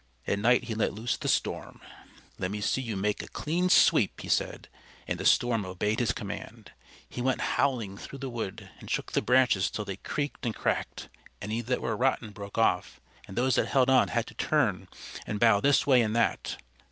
At night he let loose the Storm. "Let me see you make a clean sweep," he said. And the Storm obeyed his command. He went howling through the wood, and shook the branches till they creaked and cracked. Any that were rotten broke off, and those that held on had to turn and bow this way and that.